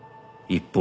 一方